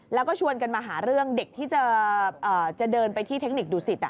แล้วก็ชวนกันมาหาเรื่องเด็กที่จะเดินไปที่เทคนิคดุสิต